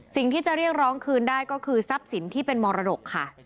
สิ่งที่จะเรียกร้องคืนได้ก็คือทรัพย์สินที่เป็นมรดกค่ะ